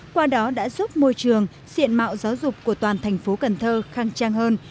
qua đó đã giúp môi trường diện mạo giáo dục của toàn thành phố cần thơ khang trang hơn